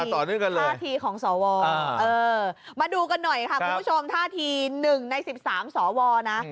ท่าทีของสวเออมาดูกันหน่อยค่ะคุณผู้ชมท่าทีหนึ่งในสิบสามสวนะ